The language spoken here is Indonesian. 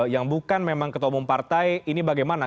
yang bukan memang ketua umum partai ini bagaimana